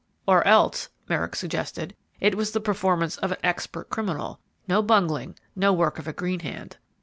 "Or else," Merrick suggested, "it was the performance of an expert criminal; no bungling, no work of a green hand."